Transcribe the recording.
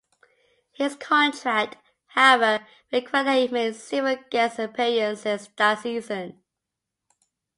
His contract, however, required that he make several guest appearances that season.